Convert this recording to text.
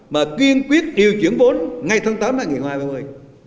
mà quyên quyết điều chuyển vốn ngay tháng tám ngày hai mươi